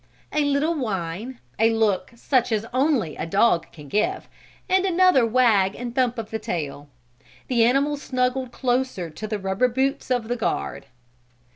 A little whine, a look such as only a dog can give, and another wag and thump of the tail. The animal snuggled closer to the rubber boots of the guard.